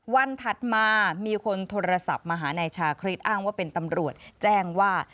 ถัดมามีคนโทรศัพท์มาหานายชาคริสอ้างว่าเป็นตำรวจแจ้งว่า